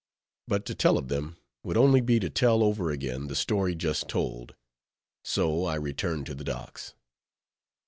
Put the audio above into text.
But to tell of them, would only be to tell over again the story just told; so I return to the docks.